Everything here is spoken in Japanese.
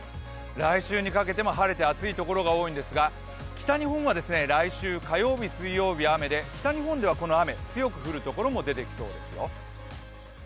来週にかけても晴れて暑い所が多いんですが、北日本は来週、火曜日、水曜日が雨で北日本ではこの雨、強く降るところも出てきそうですよ。